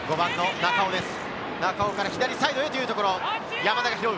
中尾から左サイドへというところ、山田が拾う。